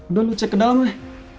udah lo cek ke dalam nih